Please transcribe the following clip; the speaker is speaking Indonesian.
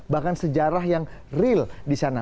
bahkan sejarah yang real di sana